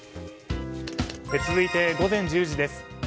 続いて午前１０時です。